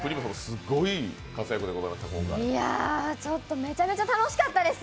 ちょっとめちゃめちゃ楽しかったです！！